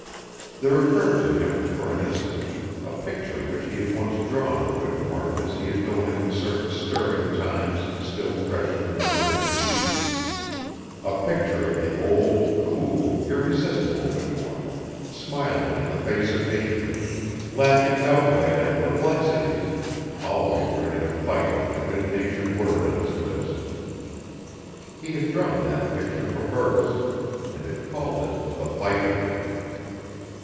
There occurred to him, for an instant, a picture which he had once drawn of Whittemore as he had known him in certain stirring times still fresh in the memory of each a picture of the old, cool, irresistible Whittemore, smiling in the face of danger, laughing outright at perplexities, always ready to fight with a good natured word on his lips. He had drawn that picture for Burke's, and had called it "The Fighter."